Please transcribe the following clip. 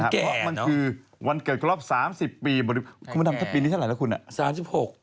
กระเทยเก่งกว่าเออแสดงความเป็นเจ้าข้าว